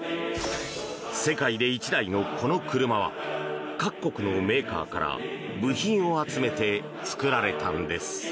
世界で１台のこの車は各国のメーカーから部品を集めて作られたんです。